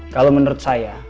kalau menurut saya